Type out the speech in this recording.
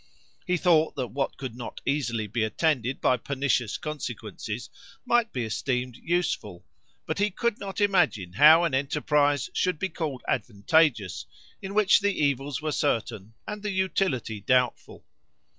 He thought that what could not easily be attended by pernicious consequences might be esteemed useful, but he could not imagine how an enterprise should be called advantageous in which the evils were certain and the utility doubtful.